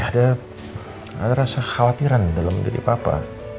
ada rasa khawatiran dalam diri papa